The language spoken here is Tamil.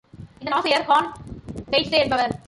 இதன் ஆசிரியர் ஹான் பெயிட்ஸே என்பவர்!